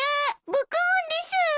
僕もです！